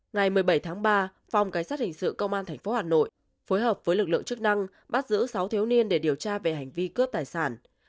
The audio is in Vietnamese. ngày một mươi bảy tháng ba phòng cảnh sát hình sự công an tp hà nội phối hợp với lực lượng chức năng bắt giữ sáu thiếu niên để điều tra về hành vi cướp tài sản